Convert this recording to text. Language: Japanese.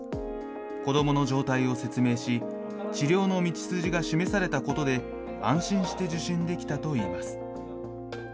子どもの状態を説明し、治療の道筋が示されたことで安心して受診できたといいます。